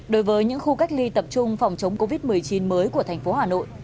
đối với những khu cách ly tập trung phòng chống covid một mươi chín mới của thành phố hà nội